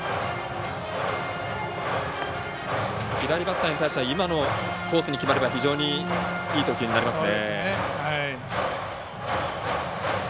左バッターに対しては今のコースに決まれば非常にいい投球になりますね。